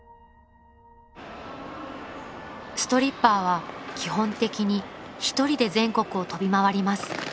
［ストリッパーは基本的に一人で全国を飛び回ります］